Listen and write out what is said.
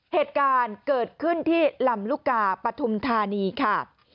เหตุการณ์เกิดขึ้นที่ลำลูกกาปฐุมธานีค่ะ